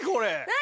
何？